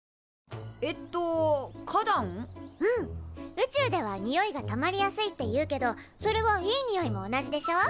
宇宙ではにおいがたまりやすいっていうけどそれはいいにおいも同じでしょ？